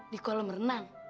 di kolam berenang